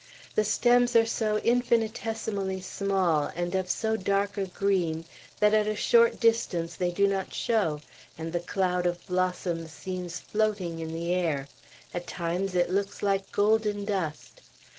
The stems are so infinitesimally small, and of so dark a green, that at a short distance they do not show, and the cloud of blossom seems floating in the air; at times it looks like golden dust.